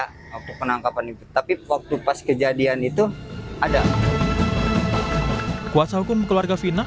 itu nggak ada ya penangkapan itu tapi waktu pas kejadian itu ada kuasa hukum keluarga vina